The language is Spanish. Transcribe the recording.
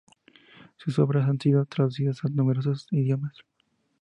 Sus obras han sido traducidas a numerosos idiomas.